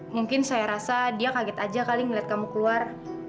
mungkin saya rasa dia kaget aja kali ngeliat kamu keluar